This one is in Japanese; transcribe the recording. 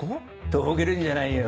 とぼけるんじゃないよ。